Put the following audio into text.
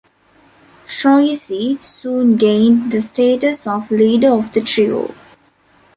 Troisi soon gained the status of leader of the trio.